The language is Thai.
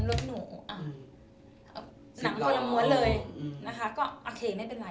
หนูอ่ะหนังคนละม้วนเลยนะคะก็โอเคไม่เป็นไร